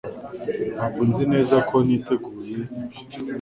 Ntabwo nzi neza ko niteguye ibi